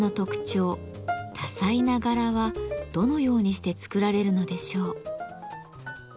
多彩な柄はどのようにして作られるのでしょう？